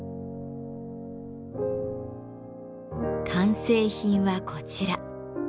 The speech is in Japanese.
完成品はこちら。